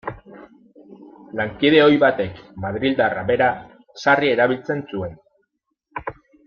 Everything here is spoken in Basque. Lankide ohi batek, madrildarra bera, sarri erabiltzen zuen.